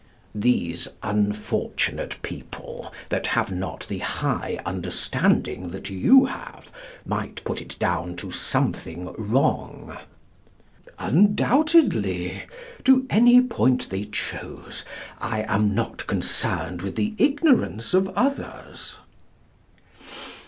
These unfortunate people, that have not the high understanding that you have, might put it down to something wrong? Undoubtedly; to any point they chose. I am not concerned with the ignorance of others.